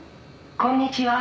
「こんにちは。